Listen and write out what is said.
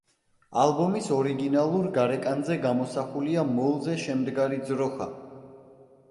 ალბომის ორიგინალურ გარეკანზე გამოსახულია მოლზე შემდგარი ძროხა.